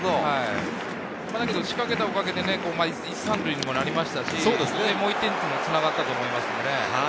だけど仕掛けたおかげで１・３塁になりましたし、もう１点につながったと思います。